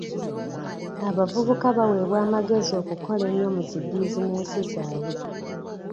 Abavubuka baweebwa amagezi okukola ennyo mu zi bizinensi zaabwe.